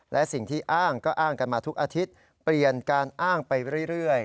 และสิ่งที่อ้างก็อ้างกันมาทุกอาทิตย์เปลี่ยนการอ้างไปเรื่อย